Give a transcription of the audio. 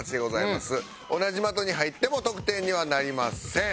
同じ的に入っても得点にはなりません。